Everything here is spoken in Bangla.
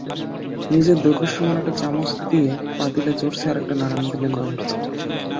নিজের দৈর্ঘ্যের সমান একটা চামচ দিয়ে পাতিলে জোরসে আরেকটা নাড়ান দিলেন বাবুর্চি।